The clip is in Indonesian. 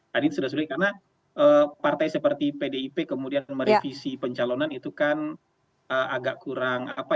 tadi sudah sulit karena partai seperti pdip kemudian merevisi pencalonan itu kan agak kurang apa